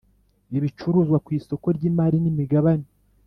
ibicuruzwa ku isoko ry imari n imigabane